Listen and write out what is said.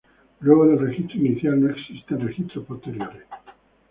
Luego del registro inicial no existen registros posteriores.